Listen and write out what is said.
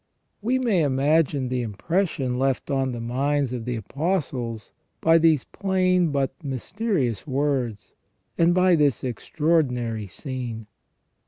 We may imagine the impression left on the minds of the Apostles by these plain but mysterious words, and by this extra ordinary scene.